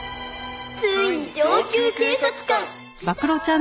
ついに上級警察官きたー！」